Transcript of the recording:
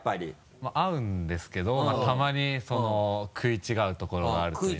まぁ合うんですけどたまに食い違うところがあるといいますか。